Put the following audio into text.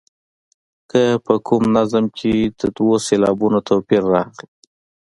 که په کوم نظم کې د دوو سېلابونو توپیر راغلی.